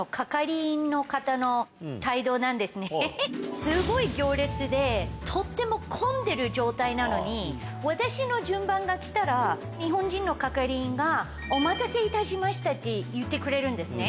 すごい行列でとっても混んでる状態なのに私の順番が来たら日本人の係員が。って言ってくれるんですね。